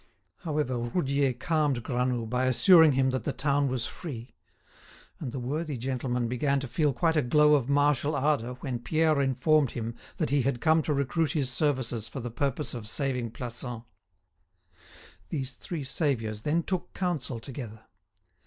However, Roudier calmed Granoux by assuring him that the town was free. And the worthy gentleman began to feel quite a glow of martial ardour when Pierre informed him that he had come to recruit his services for the purpose of saving Plassans. These three saviours then took council together.